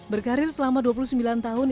berkarir selama dua puluh sembilan tahun